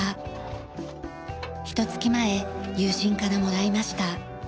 ひと月前友人からもらいました。